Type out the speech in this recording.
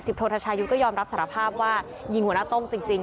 โทษทชายุทธ์ก็ยอมรับสารภาพว่ายิงหัวหน้าโต้งจริง